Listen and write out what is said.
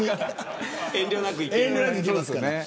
遠慮なくいけますから。